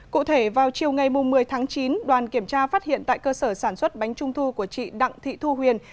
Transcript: cụ thể vào chiều ngày một mươi tháng chín đoàn kiểm tra phát hiện tại cơ sở sản xuất bánh trung thu của chị đặng thị thu huyền